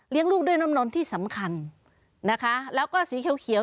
เลี้ยงลูกด้วยน้ำน้นที่สำคัญแล้วก็สีเขียว